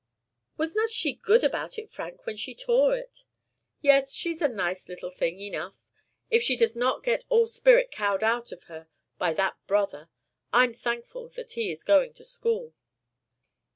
Was not she good about it, Frank, when she tore it?" "Yes, she's a nice little thing enough, if she does not get all spirit cowed out of her by that brother. I'm thankful that he is going to school."